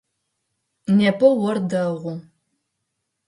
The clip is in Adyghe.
Непэ ор дэгъу.